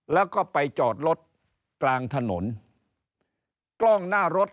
แล้วก็ไปจอดรถกลางถนนกล้องหน้ารถ